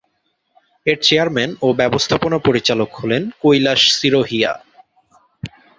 এর চেয়ারম্যান ও ব্যবস্থাপনা পরিচালক হলেন কৈলাশ সিরোহিয়া।